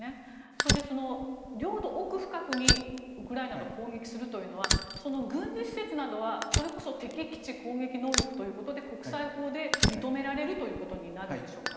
それで、領土奥深くにウクライナが攻撃するというのは軍事施設などは敵基地攻撃能力ということで国際法で認められるということになるんでしょうか。